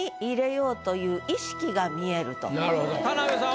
田辺さん